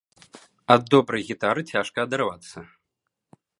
Ад добрай гітары цяжка адарвацца.